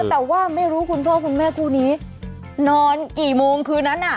แต่ว่าไม่รู้คุณพ่อคุณแม่คู่นี้นอนกี่โมงคืนนั้น